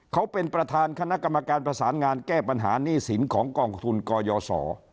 เขาเป็นประธานคณะกรรมการประสานงานแก้ปัญหาหนี้สินของกองทุนกยศ